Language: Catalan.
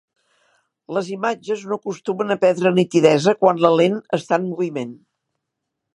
Les imatges no acostumen a perdre nitidesa quan la lent està en moviment.